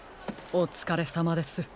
おつかれさまです。